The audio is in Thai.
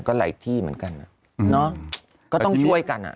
ก็หลายที่เหมือนกันก็ต้องช่วยกันอ่ะ